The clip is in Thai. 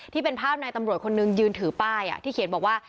ที่เป็นภาพนายตำรวจคนนึงยืนถือป้ายที่เขียนบอกว่า